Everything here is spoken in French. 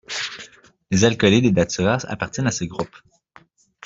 Les alcaloïdes des daturas appartiennent à ce groupe.